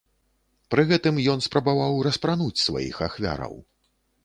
Пры гэтым ён спрабаваў распрануць сваіх ахвяраў.